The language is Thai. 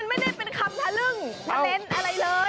ไม่ได้เป็นคำทะลึ่งทะเลนส์อะไรเลย